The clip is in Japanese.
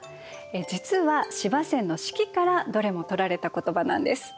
実は司馬遷の「史記」からどれも取られた言葉なんです。